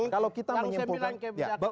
kalau kita menyimpulkan